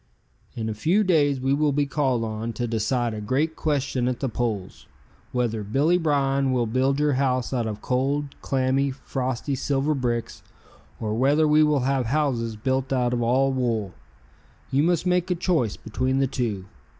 "In a few days we will be called on to decide a great question at the polls, whether Billy Bryan will build your house out of cold, clammy, frosty silver bricks, or whether we will have houses built out of all wool. You must make a choice between the two.